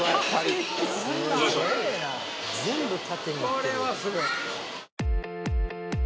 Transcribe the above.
これはすごい。